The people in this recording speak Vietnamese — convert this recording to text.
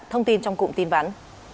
thông tin trong cụm tin ván